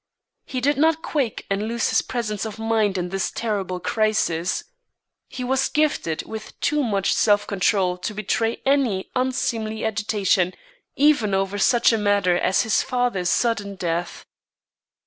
He did not quake and lose his presence of mind in this terrible crisis. He was gifted with too much self control to betray any unseemly agitation even over such a matter as his father's sudden death.